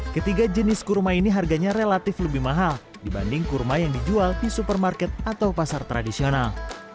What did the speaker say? ketiga jenis kurma ini harganya relatif lebih mahal dibanding kurma yang dijual di supermarket atau pasar tradisional